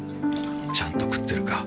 ちゃんと食ってるか？